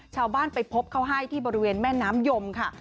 ชาวบ้านไปพบเขาให้ที่บริเวณแม่น้ำยมค่ะ